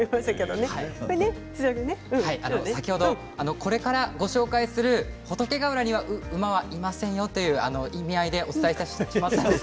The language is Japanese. これからご紹介する仏ヶ浦には馬はいませんよという意味合いでお伝えしました。